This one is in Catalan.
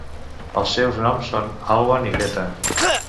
Els seus noms són Alwan i Greta.